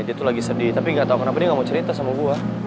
dia tuh lagi sedih tapi gatau kenapa dia gak mau cerita sama gue